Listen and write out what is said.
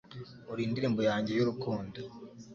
Uri indirimbo yanjye y'urukundo